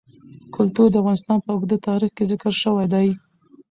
کلتور د افغانستان په اوږده تاریخ کې ذکر شوی دی.